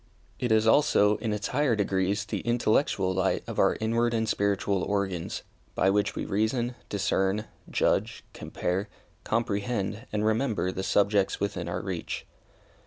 It is, also, in its higher degrees, the intellectual light of our inward and spiritual organs, by which we reason, discern, judge, compare, comprehend and remember the subjects within our reach.